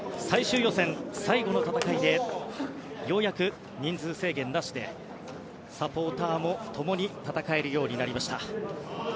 最終予選、最後の戦いでようやく人数制限なしでサポーターも共に戦えるようになりました。